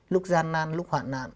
lúc gian nan lúc hoạn nạn